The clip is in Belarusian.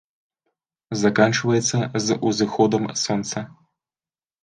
Заканчваецца з узыходам сонца